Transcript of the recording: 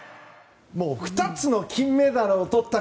もう２つの金メダルをとった。